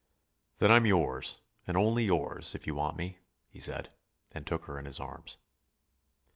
"Then I'm yours, and only yours, if you want me," he said, and took her in his arms.